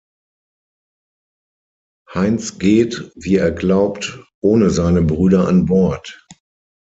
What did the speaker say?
Heinz geht, wie er glaubt, ohne seine Brüder an Bord.